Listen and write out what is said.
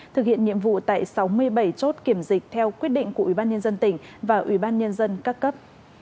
thực hiện nhiệm vụ tại sáu mươi bảy chốt kiểm dịch theo quyết định của ubnd tỉnh và ubnd các cấp